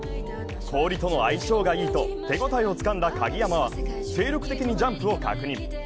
氷との相性がいいと手応えをつかんだ鍵山は、精力的にジャンプを確認。